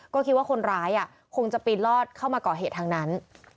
ก็คิดว่าคนร้ายคงจะปีนลอดเข้ามาก่อเหตุทางนั้น